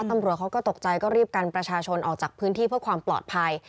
ตำรวจเขาก็ตกใจก็รีบกันประชาชนออกจากพื้นที่เพื่อความปลอดภัย